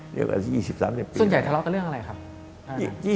เรียกว่า๒๐๓๐ปี